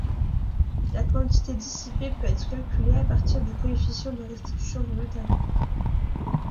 La quantité dissipée peut être calculée à partir du coefficient de restitution du matériau.